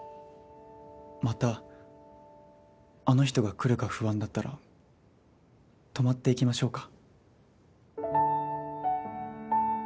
またあの人が来るか不安だったら泊まっていきましょうか？